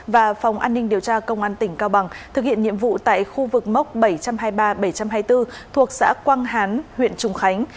và phòng an ninh điều tra công an tỉnh cao bằng thực hiện nhiệm vụ tại khu vực móc bảy trăm hai mươi ba bảy trăm hai mươi bốn thuộc xã quang hán huyện trùng khánh